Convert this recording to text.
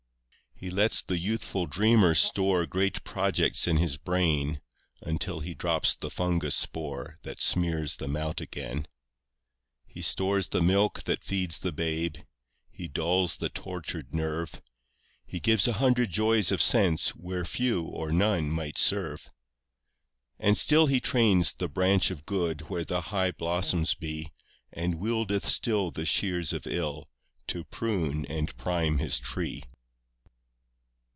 9 He lets the youthful dreamer store Great projects in his brain, Until He drops the fungus spore That smears them out again. 10 He stores the milk that feeds the babe, He dulls the tortured nerve; He gives a hundred joys of sense Where few or none might serve. 11 And still He trains the branch of good Where the high blossoms be, And wieldeth still the shears of ill To prune and prime His tree.